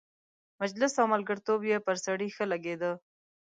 مجلس او ملګرتوب یې پر سړي ښه لګېده.